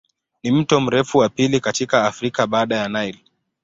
Ni mto mrefu wa pili katika Afrika baada ya Nile.